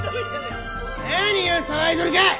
何を騒いどるか！